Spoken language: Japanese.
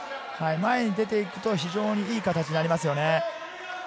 前に出て行くと非常にいい形になりますね。